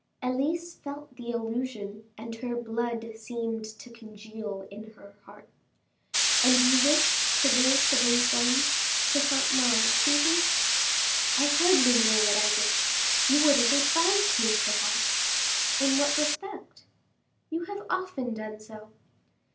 Elise felt the allusion, and her blood seemed to congeal in her heart. "And you wished to go to Vincennes, to Saint Mande, even?" "I hardly know what I wished: you would have advised me perhaps." "In what respect?" "You have often done so."